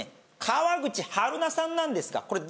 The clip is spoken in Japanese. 川口春奈さんなんですがこれ。